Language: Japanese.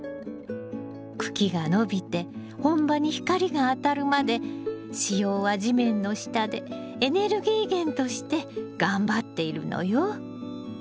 茎が伸びて本葉に光が当たるまで子葉は地面の下でエネルギー源として頑張っているのよ。